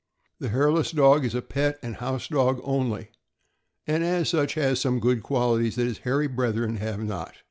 The hairless dog is a pet and house dog only, and as such has some good qualities that his hairy brethren have not.